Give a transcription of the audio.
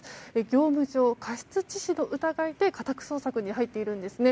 業務上過失致死の疑いで家宅捜索に入っているんですね。